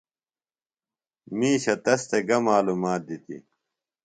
مِیشہ تس تھےۡ گہ معلومات دِتیۡ؟